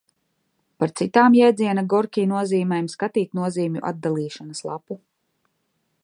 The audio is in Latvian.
Par citām jēdziena Gorki nozīmēm skatīt nozīmju atdalīšanas lapu.